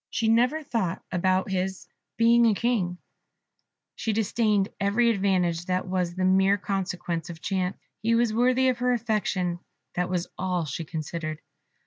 She never thought about his being a King; she disdained every advantage that was the mere consequence of chance. He was worthy of her affection that was all she considered.